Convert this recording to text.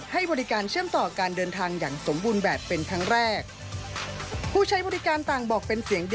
จากเดิมต้องต่อรถไม่เร็วสุด